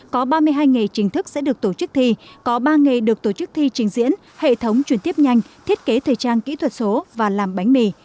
có ba mươi hai nghề chính thức sẽ được tổ chức thi có ba nghề được tổ chức thi trình diễn hệ thống chuyển tiếp nhanh thiết kế thời trang kỹ thuật số và làm bánh mì